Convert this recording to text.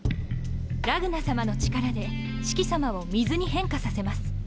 ラグナさまの力でシキさまを水に変化させます。